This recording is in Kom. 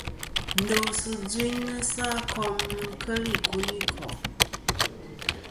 Ndosɨ dvɨnɨsɨ a kom nɨn kel ikunikò'.